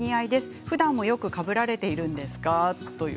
ふだんもよくかぶられているんですか？